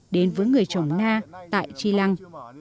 đến với người trồng na tại tri lăng